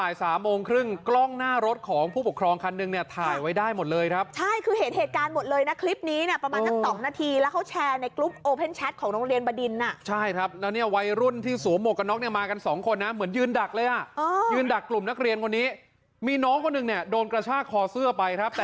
อย่าเอาพี่มาแกล้งกันด้วยคุณจะไม่รู้ได้สิหรือเปล่า